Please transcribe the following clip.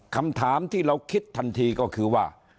คำถามที่เราคิดทันทีก็คือว่า